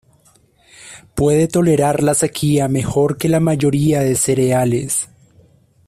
Puede tolerar la sequía mejor que la mayoría de cereales.